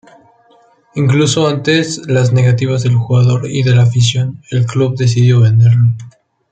Incluso ante las negativas del jugador y de la afición, el club decidió venderlo.